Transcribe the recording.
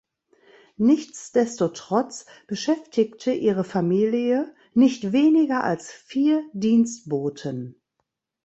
Nichtsdestotrotz beschäftigte ihre Familie nicht weniger als vier Dienstboten.